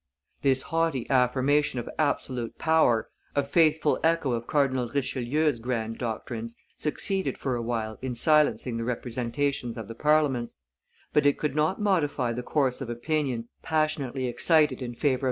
This haughty affirmation of absolute power, a faithful echo of Cardinal Richelieu's grand doctrines, succeeded for a while in silencing the representations of the Parliaments; but it could not modify the course of opinion, passionately excited in favor of M.